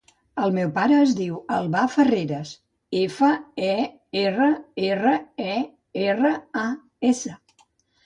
El meu pare es diu Albà Ferreras: efa, e, erra, erra, e, erra, a, essa.